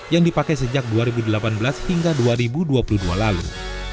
yang dipakai sejak dua ribu delapan belas hingga dua ribu dua puluh dua lalu